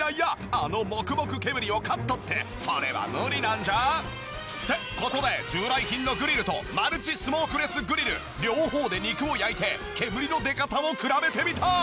あのモクモク煙をカットってそれは無理なんじゃ？って事で従来品のグリルとマルチスモークレスグリル両方で肉を焼いて煙の出方を比べてみた！